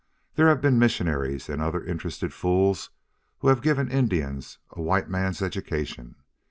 There have been missionaries and other interested fools who have given Indians a white man's education.